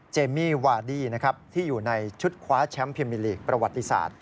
เมมี่วาดี้นะครับที่อยู่ในชุดคว้าแชมป์พิมมิลีกประวัติศาสตร์